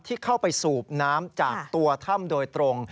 ที่เข้าไปสูบน้ำจากตัวถ้ำโดยตรง